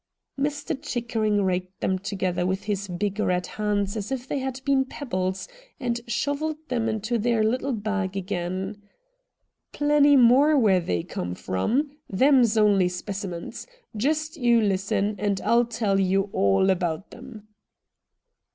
Mr. Chickering raked them together with his big red hands as if they had been pebbles, and shovelled them into their little bag again. ' Plenty more where they come from. Them's only specimens. Just you listen and ril tell you all about them.'